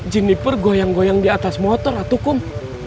jennifer goyang goyang di atas motor kum